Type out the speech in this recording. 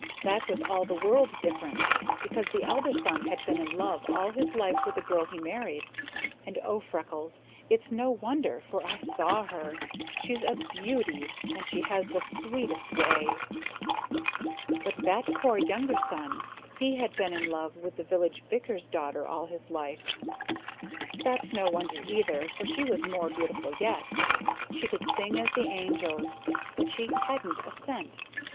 That was all the world different, because the elder son had been in love all his life with the girl he married, and, oh, Freckles, it's no wonder, for I saw her! She's a beauty and she has the sweetest way. "But that poor younger son, he had been in love with the village vicar's daughter all his life. That's no wonder either, for she was more beautiful yet. She could sing as the angels, but she hadn't a cent.